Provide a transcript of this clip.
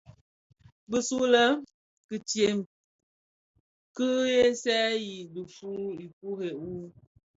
Bisulè kitsen ki seeseeyèn dhifuu ikure wu.